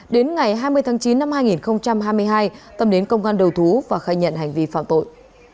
đến ngày hai mươi tháng chín năm hai nghìn hai mươi hai tâm đến công an đầu thú và khai nhận hành vi phạm tội